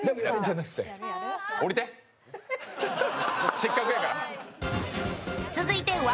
失格やから。